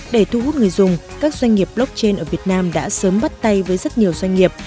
để thu hút người dùng các doanh nghiệp blockchain ở việt nam đã sớm bắt tay với rất nhiều doanh nghiệp